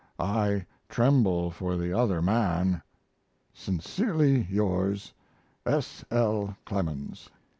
I tremble for the other man! Sincerely yours, S. L. CLEMENS.